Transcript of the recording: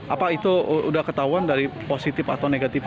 apa itu udah ketahuan dari positif atau negatifnya